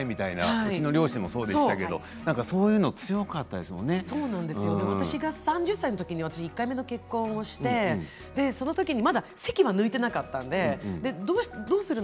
うちの両親もそうですが私が３０歳の時に１回目の結婚をしてその時、籍は抜いていなかったのでどうするの？